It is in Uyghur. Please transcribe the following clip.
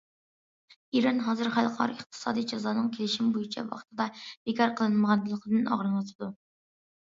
ئىران ھازىر خەلقئارا ئىقتىسادىي جازانىڭ كېلىشىم بويىچە ۋاقتىدا بىكار قىلىنمىغانلىقىدىن ئاغرىنىۋاتىدۇ.